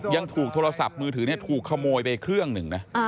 ยังถูกโทรศัพท์มือถือเนี่ยถูกขโมยไปเครื่องหนึ่งนะ